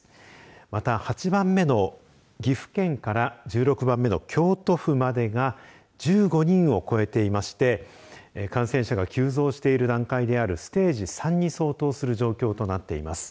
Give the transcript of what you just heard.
また８番目の岐阜県から１６番目の京都府までが１５人を超えていまして感染者が急増している段階にあるステージ３に相当する状況となっています。